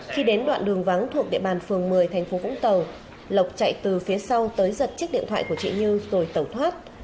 khi đến đoạn đường vắng thuộc địa bàn phường một mươi thành phố vũng tàu lộc chạy từ phía sau tới giật chiếc điện thoại của chị như rồi tẩu thoát